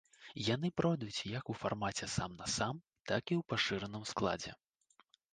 Яны пройдуць як у фармаце сам-насам, так і ў пашыраным складзе.